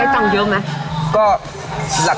ตังค์เยอะมาก